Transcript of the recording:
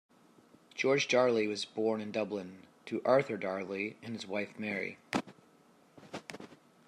George Darley was born in Dublin, to Arthur Darley and his wife Mary.